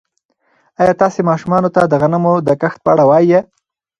ایا تاسي ماشومانو ته د غنمو د کښت په اړه وایئ؟